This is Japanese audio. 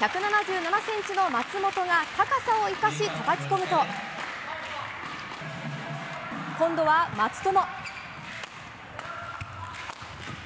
１７７ｃｍの松本が高さを生かしたたきこむと今度は松友。